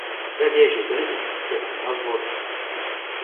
Ve věži byly umístěna dva zvony.